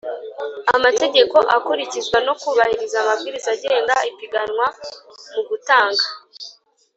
amategeko akurikizwa no kubahiriza amabwiriza agenga ipiganwa mu gutanga